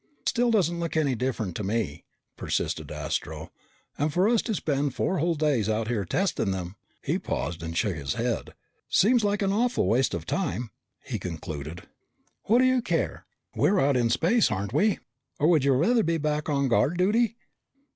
"Still doesn't look any different to me," persisted Astro. "And for us to spend four whole days out here testing them" he paused and shook his head "seems like an awful waste of time," he concluded. "What do you care? We're out in space, aren't we? Or would you rather be back on guard duty?"